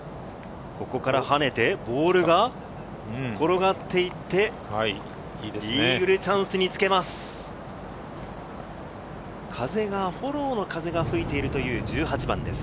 跳ねてボールが転がっていってイーグルチャンスにつけます。